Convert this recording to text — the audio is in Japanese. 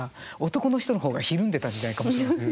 男の人の方がひるんでた時代かもしれない。